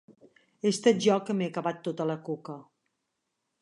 He estat jo que m'he acabat tota la coca.